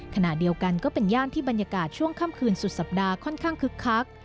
ขณะเดียวกันก็เป็นย่านที่บรรยากาศช่วงค่ำคืนสุดสัปดาห์ค่อนข้างคึกคัก